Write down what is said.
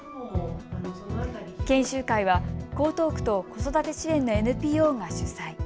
研修会は江東区と子育て支援のＮＰＯが主催。